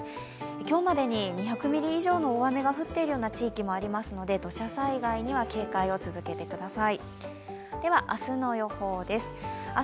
今日までに２００ミリ以上の大雨が降っているような地域もありますので土砂災害には警戒を続けてください。